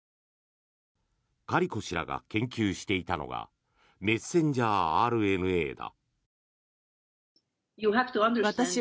カリコ氏らが研究していたのがメッセンジャーＲＮＡだ。